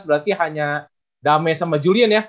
berarti hanya damai sama julian ya